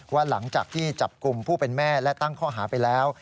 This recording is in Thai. ว่าหลังจากที่จับกลุ่มผู้เป็นแม่และตั้งข้อหาไปแล้ว